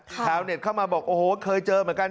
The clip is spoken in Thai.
ชาวเน็ตเข้ามาบอกโอ้โหเคยเจอเหมือนกัน